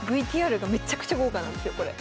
ＶＴＲがめちゃくちゃ豪華なんですよこれ。